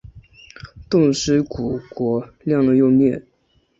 冻尸骨国亮了又灭。